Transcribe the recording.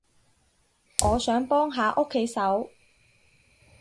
我想幫下屋企手